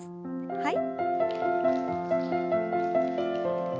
はい。